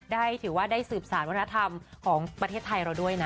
ถือว่าได้สืบสารวัฒนธรรมของประเทศไทยเราด้วยนะ